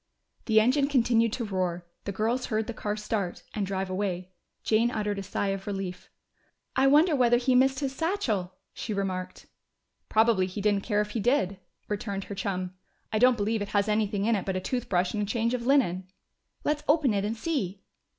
The engine continued to roar; the girls heard the car start, and drive away. Jane uttered a sigh of relief. "I wonder whether he missed his satchel," she remarked. "Probably he didn't care if he did," returned her chum. "I don't believe it has anything in it but a toothbrush and a change of linen." "Let's open it and see."